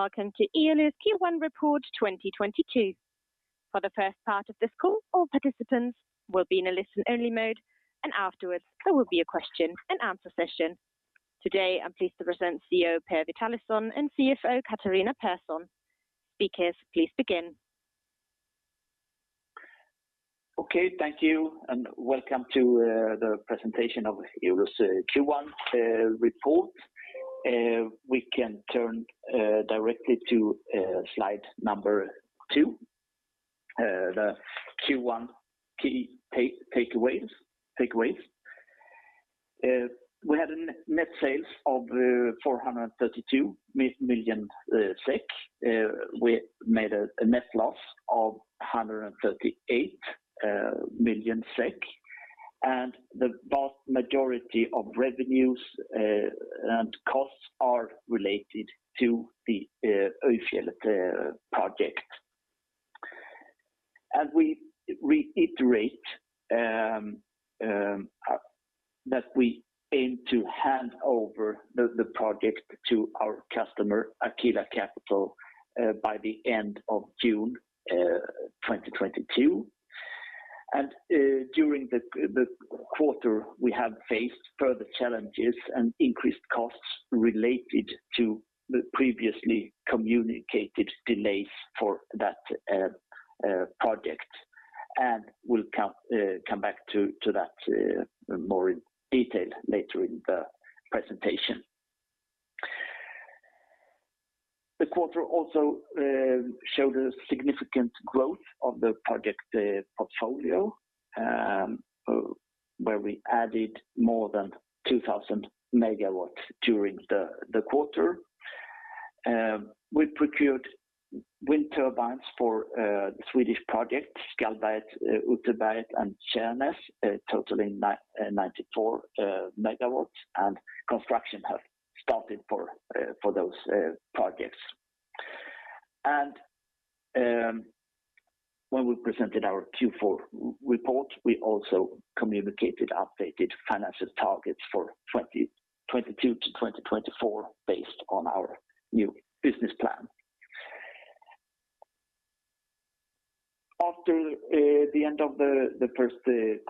Welcome to Eolus Q1 Report 2022. For the first part of this call, all participants will be in a listen-only mode, and afterwards, there will be a question-and-answer session. Today, I'm pleased to present CEO Per Witalisson and CFO Catharina Persson. Speakers, please begin. Okay, thank you, and welcome to the presentation of Eolus' Q1 report. We can turn directly to slide number two, the Q1 key takeaways. We had net sales of 432 million SEK. We made a net loss of 138 million SEK, and the vast majority of revenues and costs are related to the Øyfjellet project. We reiterate that we aim to hand over the project to our customer, Aquila Capital, by the end of June 2022. During the quarter, we have faced further challenges and increased costs related to the previously communicated delays for that project, and we'll come back to that more in detail later in the presentation. The quarter also showed a significant growth of the project portfolio where we added more than 2,000 megawatts during the quarter. We procured wind turbines for the Swedish projects, Skallberget, Utterberget, and Tjärnäs totaling 94 megawatts, and construction have started for those projects. When we presented our Q4 report, we also communicated updated financial targets for 2022 to 2024 based on our new business plan. After the end of the first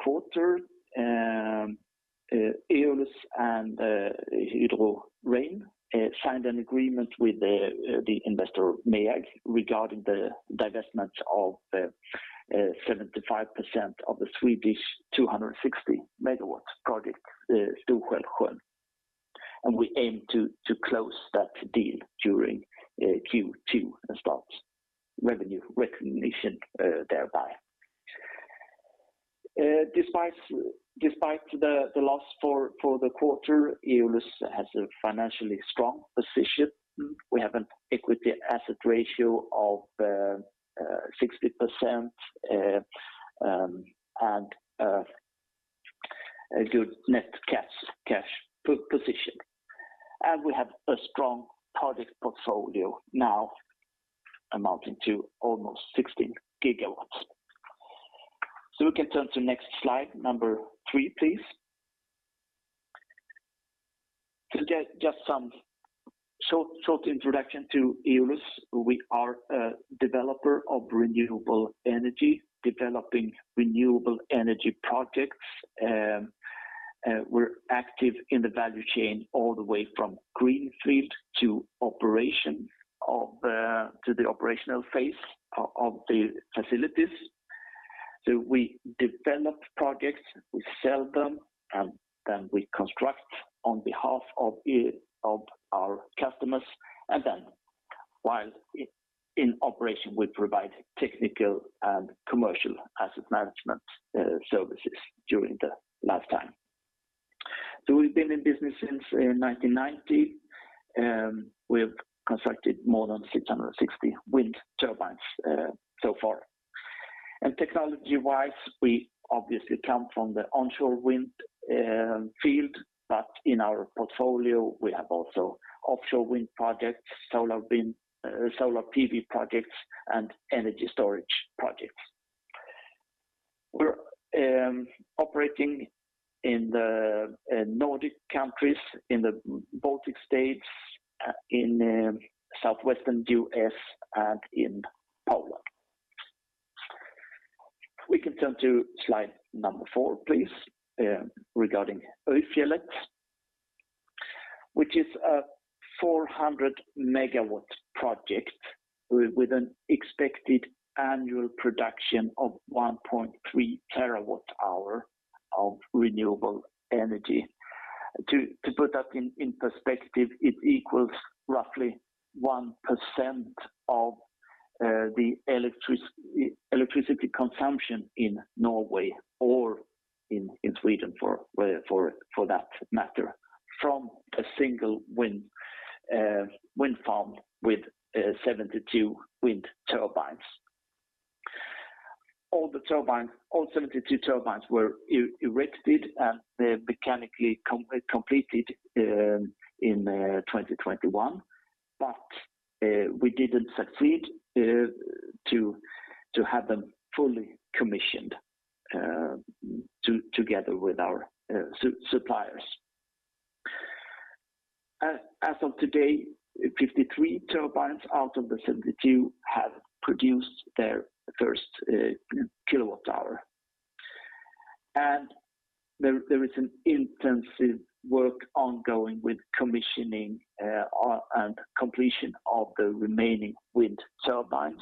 quarter, Eolus and Hydro REIN signed an agreement with the investor MEAG regarding the divestment of 75% of the Swedish 260 megawatts project, Stor-Skälsjön, and we aim to close that deal during Q2 and start revenue recognition thereby. Despite the loss for the quarter, Eolus has a financially strong position. We have an equity-to-asset ratio of 60%, and a good net cash position. We have a strong project portfolio now amounting to almost 16 gigawatts. We can turn to the next slide, number three, please. To get just some short introduction to Eolus, we are a developer of renewable energy, developing renewable energy projects. We're active in the value chain all the way from greenfield to the operational phase of the facilities. We develop projects, we sell them, and then we construct on behalf of our customers. While in operation, we provide technical and commercial asset management services during the lifetime. We've been in business since 1990. We have constructed more than 660 wind turbines so far. Technology-wise, we obviously come from the onshore wind field, but in our portfolio, we have also offshore wind projects, solar PV projects, and energy storage projects. We're operating in the Nordic countries, in the Baltic states, in Southwestern U.S., and in Poland. We can turn to slide number four, please, regarding Øyfjellet, which is a 400 MW project with an expected annual production of 1.3 TWh of renewable energy. To put that in perspective, it equals roughly 1% of the electricity consumption in Norway or in Sweden for that matter, from a single wind farm with 72 wind turbines. All the turbines, all 72 turbines were erected and mechanically completed in 2021, but we didn't succeed to have them fully commissioned together with our suppliers. As of today, 53 turbines out of the 72 have produced their first kilowatt hour. There is an intensive work ongoing with commissioning on and completion of the remaining wind turbines.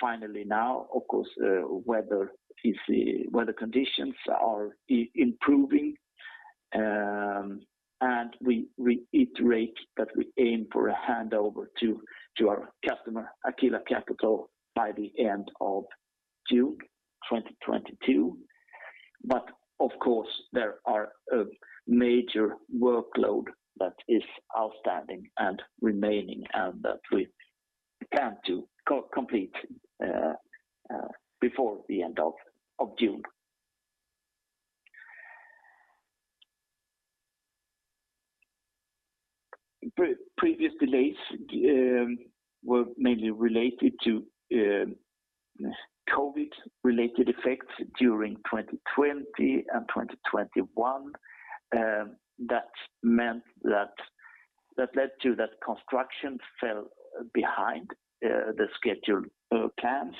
Finally now, of course, weather conditions are improving. We iterate that we aim for a handover to our customer, Aquila Capital, by the end of June 2022. Of course, there are a major workload that is outstanding and remaining, and that we plan to complete before the end of June. Previous delays were mainly related to COVID-related effects during 2020 and 2021. That meant that led to construction falling behind the scheduled plans.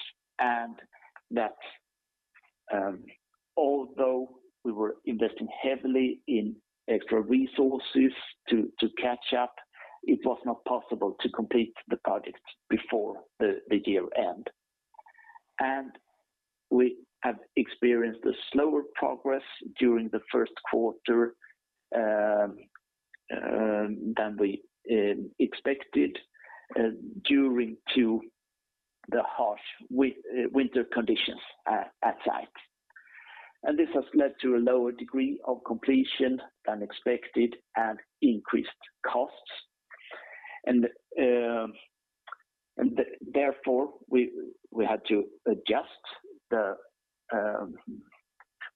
Although we were investing heavily in extra resources to catch up, it was not possible to complete the project before the year end. We have experienced slower progress during the first quarter than we expected due to the harsh winter conditions at site. This has led to a lower Degree of Completion than expected and increased costs. Therefore, we had to adjust the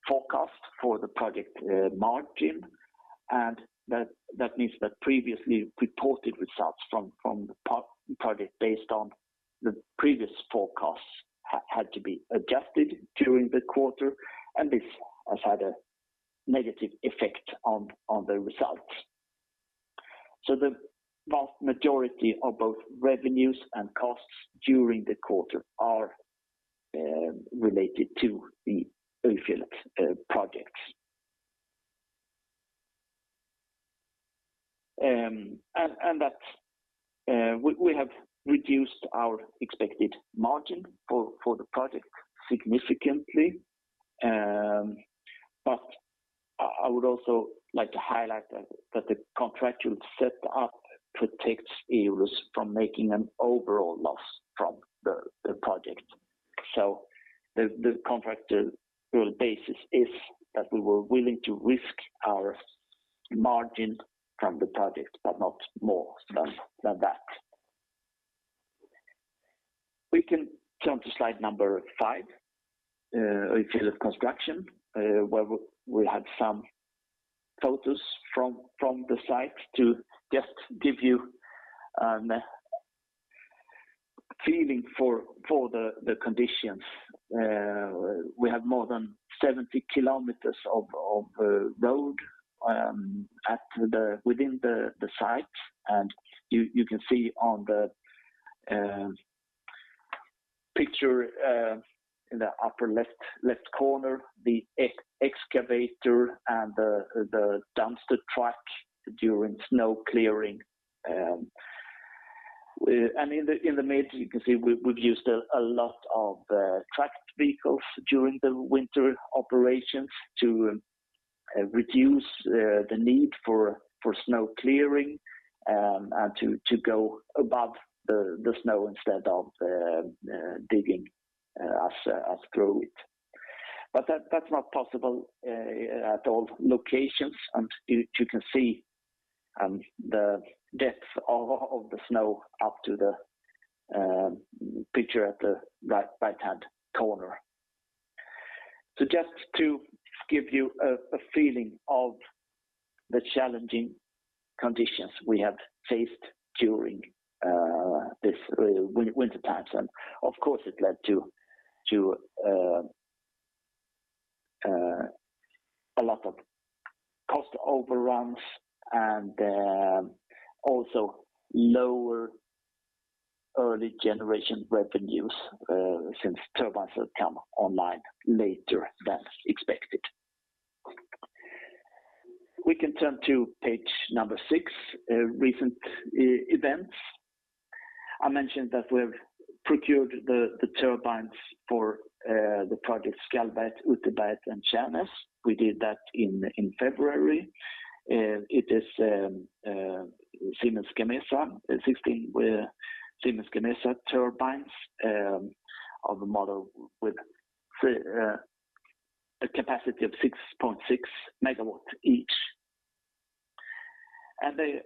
forecast for the project margin. That means that previously reported results from the project based on the previous forecasts had to be adjusted during the quarter, and this has had a negative effect on the results. The vast majority of both revenues and costs during the quarter are related to the Øyfjellet projects. We have reduced our expected margin for the project significantly. I would also like to highlight that the contractual set up protects Eolus from making an overall loss from the project. The contractual basis is that we were willing to risk our margin from the project, but not more than that. We can turn to slide number five, Øyfjellet construction, where we had some photos from the site to just give you a feeling for the conditions. We have more than 70 kilometers of road within the site. You can see on the picture in the upper left corner the excavator and the dumpster truck during snow clearing. In the middle, you can see we've used a lot of tracked vehicles during the winter operations to reduce the need for snow clearing and to go above the snow instead of digging through it. That's not possible at all locations. You can see the depth of the snow up to the picture at the right-hand corner. Just to give you a feeling of the challenging conditions we have faced during this winter times. Of course, it led to a lot of cost overruns and also lower early generation revenues, since turbines have come online later than expected. We can turn to page six, recent events. I mentioned that we've procured the turbines for the project Skallberget, Utterberget, and Tjärnäs. We did that in February. It is 16 Siemens Gamesa turbines of a model with a capacity of 6.6 megawatts each. They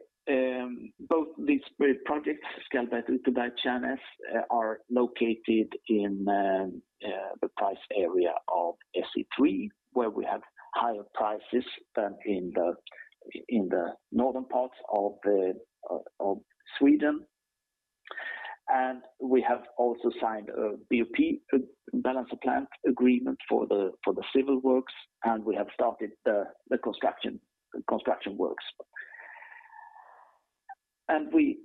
both these three projects, Skallberget, Utterberget, Tjärnäs, are located in the price area of SE3, where we have higher prices than in the northern parts of Sweden. We have also signed a BOP, a balance of plant agreement for the civil works, and we have started the construction works. The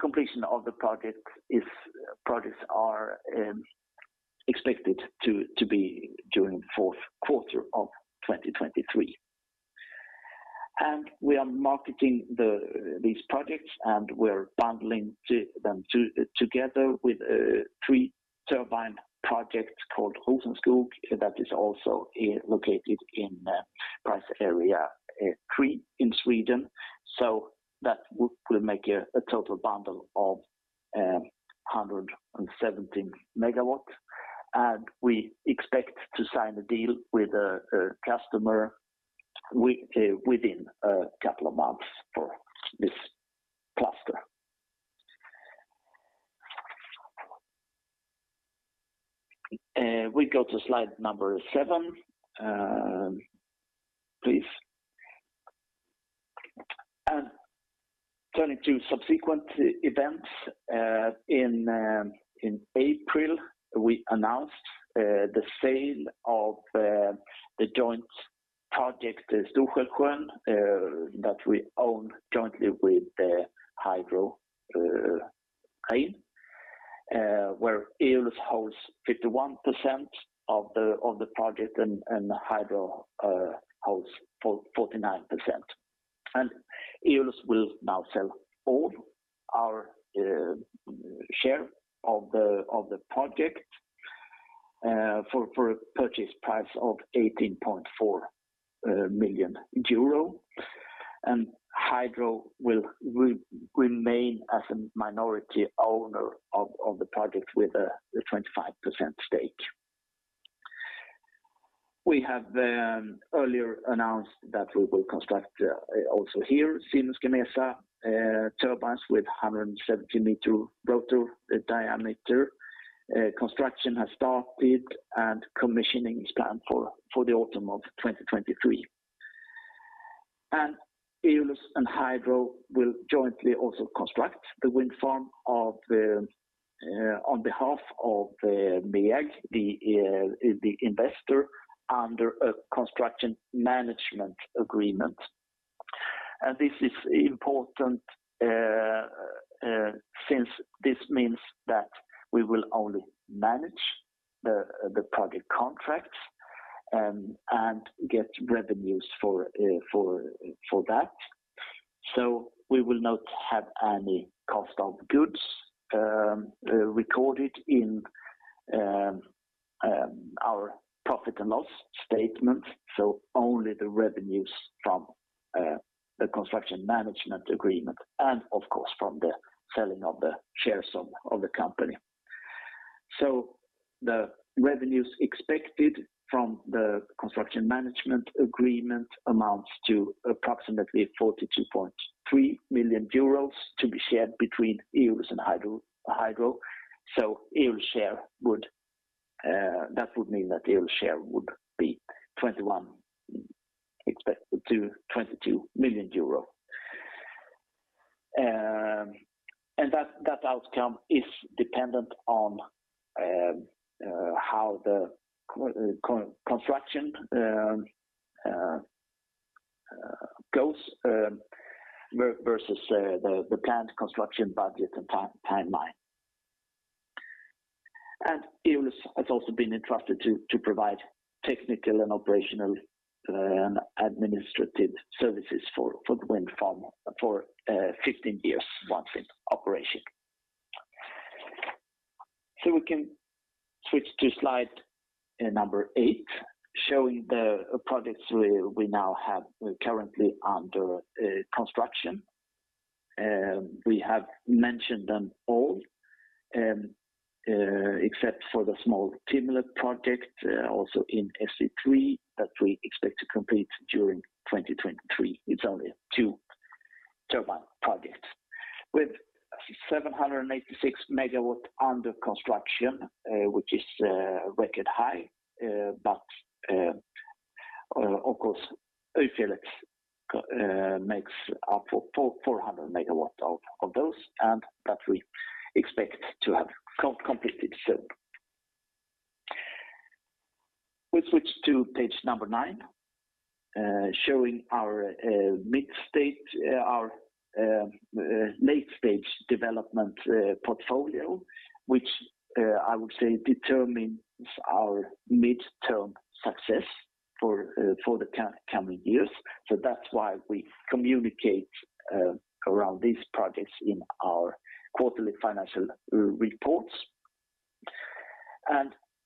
completion of the projects is expected to be during the fourth quarter of 2023. We are marketing these projects, and we're bundling them together with three turbine projects called Rosenskog that is also located in price area three in Sweden. That will make a total bundle of 117 MW. We expect to sign a deal with a customer within a couple of months for this cluster. We go to slide number seven, please. Turning to subsequent events, in April, we announced the sale of the joint project, Stor-Skälsjön, that we own jointly with Hydro REIN, where Eolus holds 51% of the project and Hydro holds 49%. Eolus will now sell all our share of the project for a purchase price of 18.4 million euro. Hydro will remain as a minority owner of the project with a 25% stake. We have earlier announced that we will construct also here Siemens Gamesa turbines with 170-meter rotor diameter. Construction has started, and commissioning is planned for the autumn of 2023. Eolus and Hydro will jointly also construct the wind farm on behalf of MEAG, the investor, under a construction management agreement. This is important, since this means that we will only manage the project contracts and get revenues for that. We will not have any cost of goods recorded in our profit and loss statement, only the revenues from the construction management agreement and, of course, from the selling of the shares of the company. The revenues expected from the construction management agreement amounts to approximately 42.3 million euros to be shared between Eolus and Hydro. Eolus' share would be 21 expected to 22 million EUR. That outcome is dependent on how the construction goes versus the planned construction budget and timeline. Eolus has also been entrusted to provide technical, operational, and administrative services for the wind farm for 15 years once in operation. We can switch to slide number eight, showing the projects we now have currently under construction. We have mentioned them all except for the small Timmele project also in SE3 that we expect to complete during 2023. It's only two turbine projects. With 786 megawatts under construction, which is record high, but of course, Øyfjellet makes up 400 megawatts of those, and that we expect to have completed soon. We switch to page nine, showing our mid-stage, our late-stage development portfolio, which I would say determines our midterm success for the coming years. That's why we communicate around these projects in our quarterly financial reports.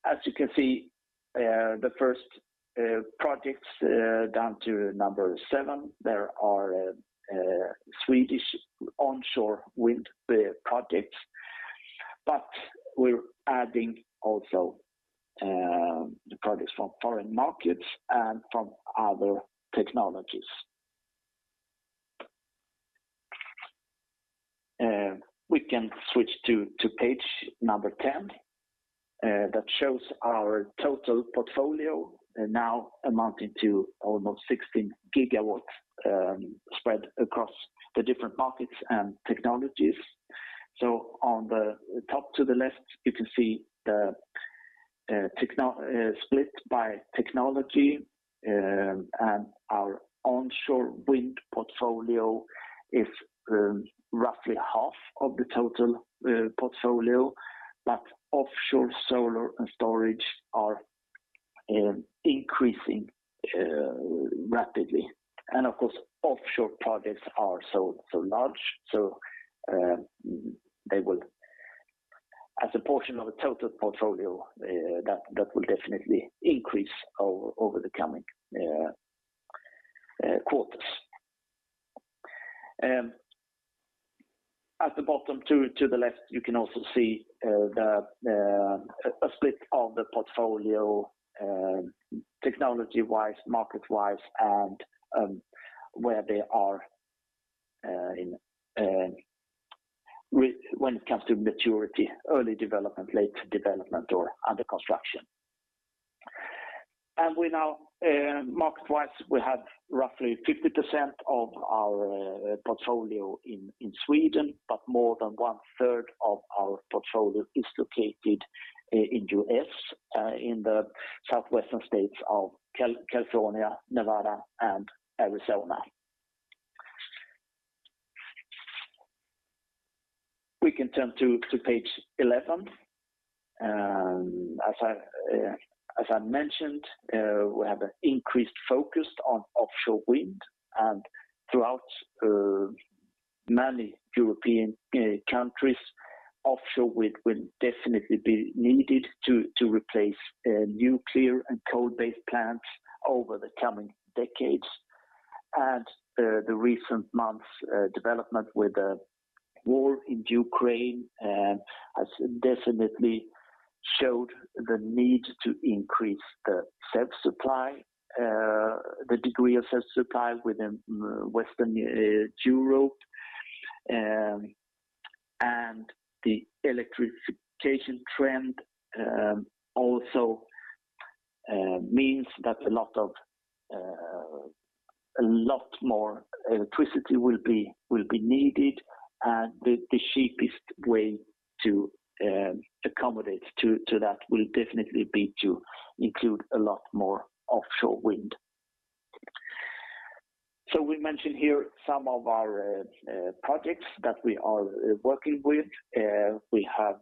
As you can see, the first projects down to number seven, there are Swedish onshore wind projects. We're adding also the projects from foreign markets and from other technologies. We can switch to page number 10. That shows our total portfolio now amounting to almost 16 gigawatts, spread across the different markets and technologies. On the top to the left, you can see the split by technology. Our onshore wind portfolio is roughly half of the total portfolio, but offshore solar and storage are increasing rapidly. Of course, offshore projects are so large. As a portion of the total portfolio, that will definitely increase over the coming quarters. At the bottom to the left, you can also see the split of the portfolio technology-wise, market-wise, and where they are in when it comes to maturity, early development, late development, or under construction. We now, market-wise, we have roughly 50% of our portfolio in Sweden, but more than 1/3 of our portfolio is located in the U.S, in the southwestern states of California, Nevada, and Arizona. We can turn to page 11. As I mentioned, we have an increased focus on offshore wind. Throughout many European countries, offshore wind will definitely be needed to replace nuclear and coal-based plants over the coming decades. The recent months development with the war in Ukraine has definitely showed the need to increase the self-supply, the degree of self-supply within Western Europe. The electrification trend also means that a lot more electricity will be needed, and the cheapest way to accommodate to that will definitely be to include a lot more offshore wind. We mention here some of our projects that we are working with. We have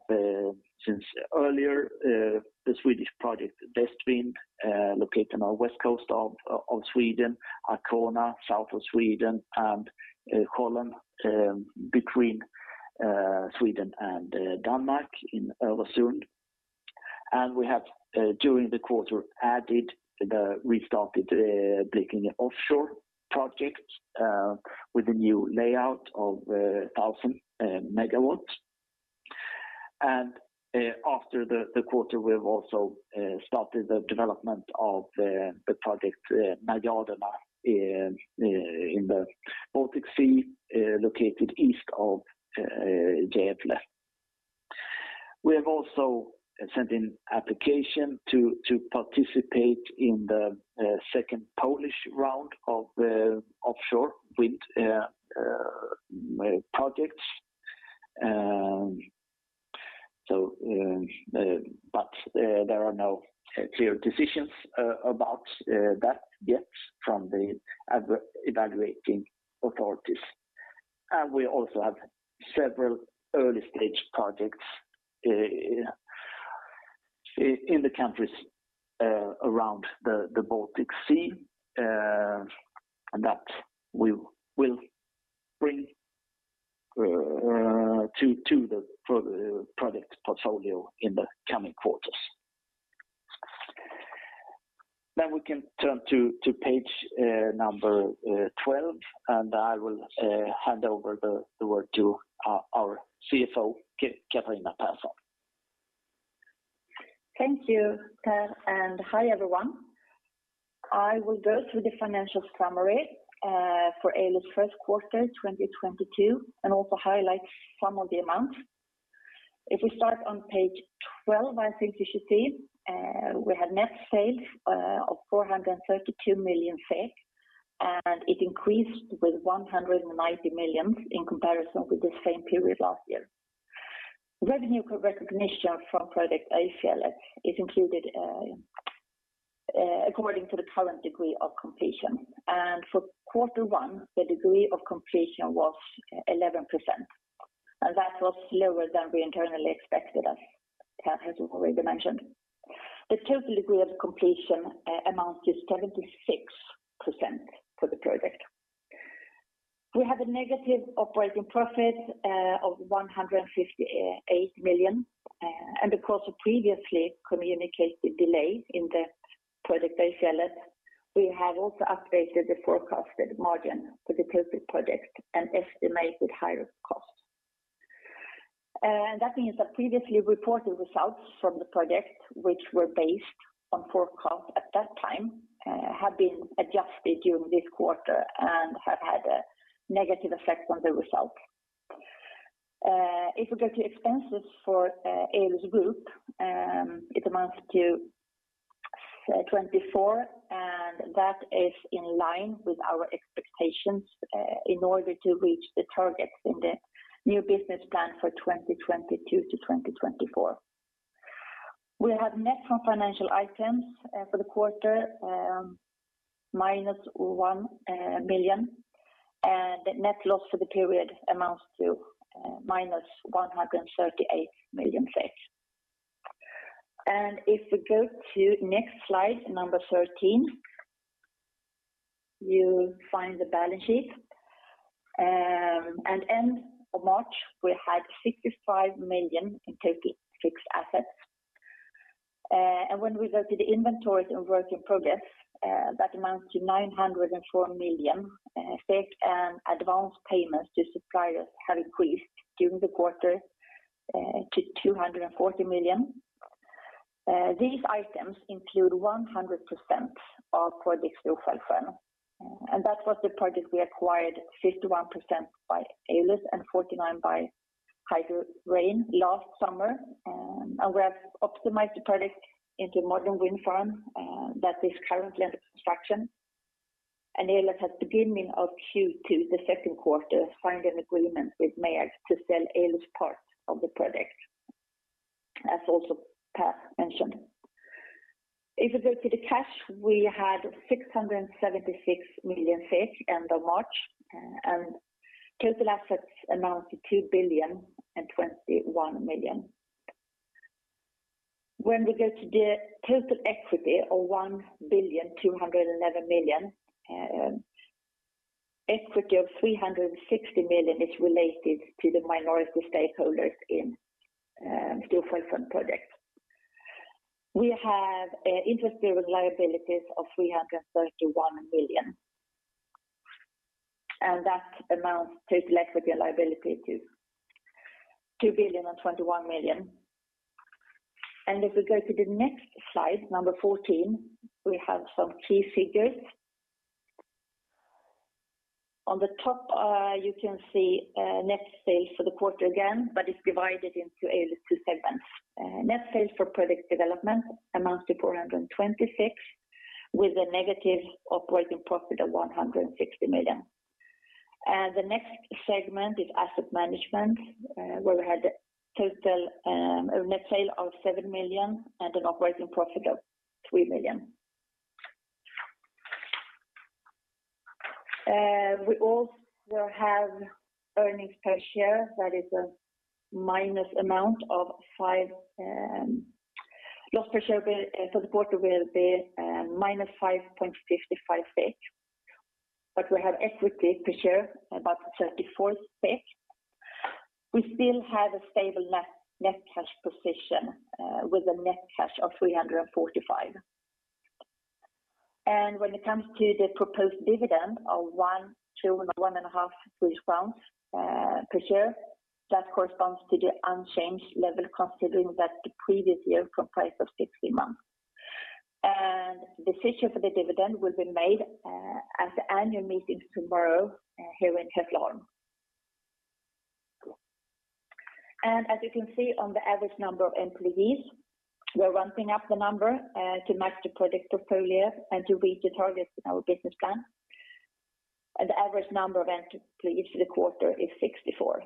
since earlier the Swedish project Westwind located on our west coast of Sweden, Arkona south of Sweden, and [Hollandshåla] between Sweden and Denmark in Öresund. We have during the quarter added the restarted Blekinge offshore project with a new layout of 1,000 megawatts. After the quarter, we have also started the development of the project Najaden in the Baltic Sea, located east of Gävle. We have also sent in application to participate in the second Polish round of offshore wind projects. There are no clear decisions about that yet from the evaluating authorities. We also have several early-stage projects in the countries around the Baltic Sea, and that we will bring to the project portfolio in the coming quarters. We can turn to page number 12, and I will hand over the word to our CFO, Catharina Persson. Thank you, Per, and Hi, everyone. I will go through the financial summary for Eolus's first quarter 2022 and also highlight some of the amounts. If we start on page 12, I think you should see we had net sales of 432 million, and it increased with 190 million in comparison with the same period last year. Revenue recognition from project Øyfjellet is included according to the current degree of completion. For quarter one, the degree of completion was 11%, and that was lower than we internally expected, as Per has already mentioned. The total degree of completion amounts to 76% for the project. We have a negative operating profit of 158 million, and because of previously communicated delay in the project Øyfjellet, we have also updated the forecasted margin for the project and estimated higher costs. That means that previously reported results from the project, which were based on forecast at that time, have been adjusted during this quarter and have had a negative effect on the results. If we go to expenses for Eolus Group, it amounts to 24 million, and that is in line with our expectations in order to reach the targets in the new business plan for 2022 to 2024. We have net from financial items for the quarter -1 million, and net loss for the period amounts to -138 million. If we go to next slide, number thirteen, you find the balance sheet. End of March, we had 65 million in total fixed assets. When we go to the inventories and work in progress, that amounts to 904 million SEK and advanced payments to suppliers have increased during the quarter to 240 million. These items include 100% of project Øyfjellet. That was the project we acquired 51% by Eolus and 49% by Hydro REIN last summer. We have optimized the project into modern wind farm that is currently under construction. Eolus has beginning of Q2, the second quarter, signed an agreement with MEAG to sell Eolus' part of the project, as also Per mentioned. If we go to the cash, we had 676 million end of March, and total assets amount to 2,021 million. When we go to the total equity of 1,211 million, equity of 360 million is related to the minority stakeholders in Øyfjellet project. We have interest-bearing liabilities of SEK 331 million. That amount takes less of the liability to 2,021 million. If we go to the next slide, number fourteen, we have some key figures. On the top, you can see net sales for the quarter again, but it's divided into Eolus' two segments. Net sales for product development amounts to 420, with a negative operating profit of 160 million. The next segment is asset management, where we had total net sale of 7 million and an operating profit of 3 million. We also have earnings per share that is a minus amount of five, loss per share for the quarter will be -5.55. We have equity per share about 34 SEK. We still have a stable net cash position with a net cash of 345. When it comes to the proposed dividend of 1.2 and 1.5 Swedish crowns per share, that corresponds to the unchanged level considering that the previous year comprised of 60 months. Decision for the dividend will be made at the annual meeting tomorrow here in Hässleholm. As you can see on the average number of employees, we're ramping up the number to match the product portfolio and to reach the targets in our business plan. The average number of employees for the quarter is 64.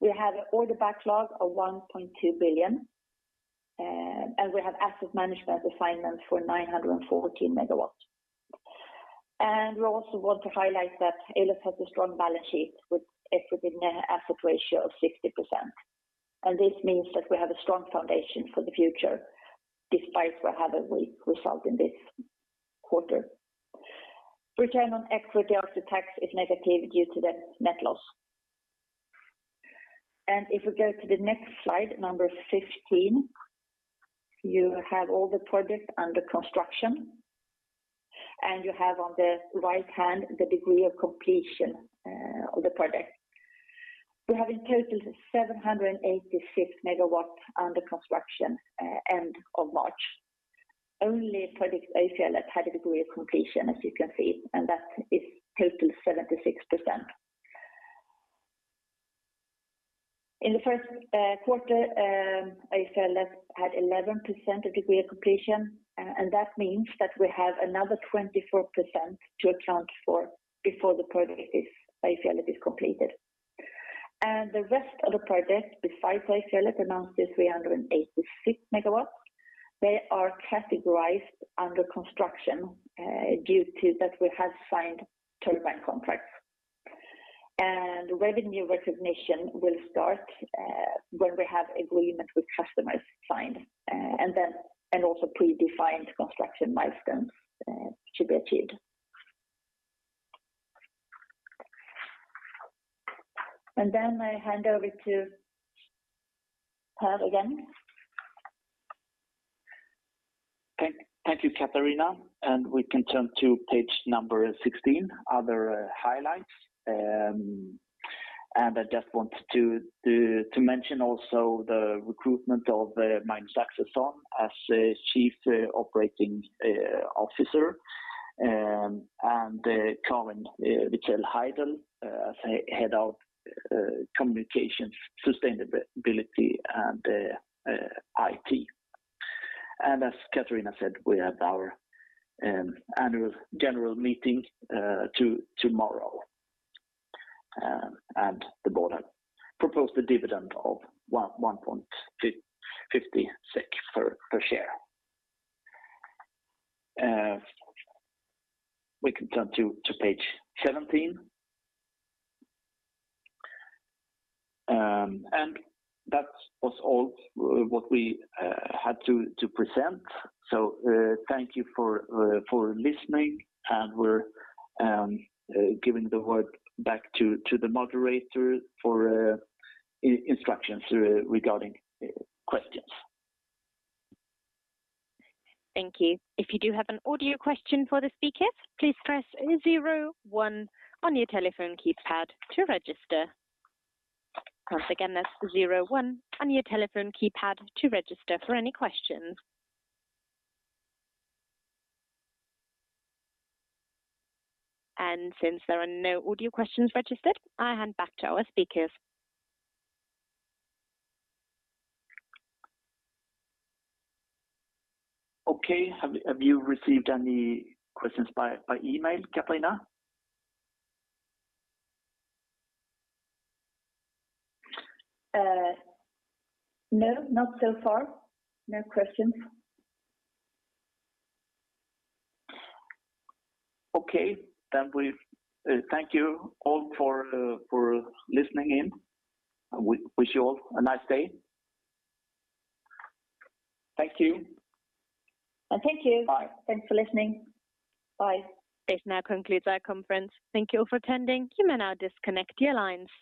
We have an order backlog of 1.2 billion, and we have asset management assignments for 914 megawatts. We also want to highlight that Eolus has a strong balance sheet with equity-to-asset ratio of 60%. This means that we have a strong foundation for the future, despite we have a weak result in this quarter. Return on equity after tax is negative due to the net loss. If we go to the next slide, number 15, you have all the projects under construction, and you have on the right hand the degree of completion of the project. We have in total 786 megawatts under construction end of March. Only project Øyfjellet had a degree of completion, as you can see, and that is total 76%. In the first quarter, Øyfjellet had 11% degree of completion, and that means that we have another 24% to account for before the project, Øyfjellet, is completed. The rest of the project besides Øyfjellet amounts to 386 megawatts. They are categorized under construction due to that we have signed turbine contracts. Revenue recognition will start when we have agreement with customers signed, and then and also predefined construction milestones to be achieved. Then I hand over to Per again. Thank you, Catharina. We can turn to page 16, other highlights. I just want to mention also the recruitment of Magnus Axelsson as Chief Operating Officer, and Karin Wittsell Heydl as Head of Communications, Sustainability and IT. As Catharina said, we have our annual general meeting tomorrow. The board have proposed a dividend of 1.50 per share. We can turn to page 17. That was all what we had to present. Thank you for listening, and we're giving the word back to the moderator for instructions regarding questions. Thank you. If you do have an audio question for the speakers, please press zero one on your telephone keypad to register. Once again, that's zero one on your telephone keypad to register for any questions. Since there are no audio questions registered, I'll hand back to our speakers. Okay. Have you received any questions by email, Catharina? No, not so far. No questions. Okay. We thank you all for listening in, and we wish you all a nice day. Thank you. Thank you. Bye. Thanks for listening. Bye. This now concludes our conference. Thank you all for attending. You may now disconnect your lines.